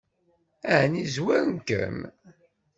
Ɛni zwaren-kem?